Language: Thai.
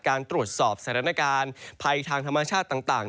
การตรวจสอบสถานการณ์ภัยทางธรรมชาติต่าง